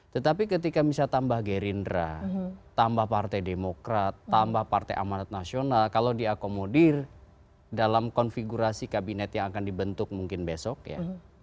tetapi ketika misalnya tambah gerindra tambah partai demokrat tambah partai amanat nasional kalau diakomodir dalam konfigurasi kabinet yang akan dibentuk mungkin besok ya